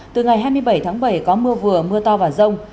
từ ngày hai mươi bảy tháng bảy có mưa vừa mưa to và rông